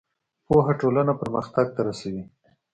پوهه ټولنه پرمختګ ته رسوي.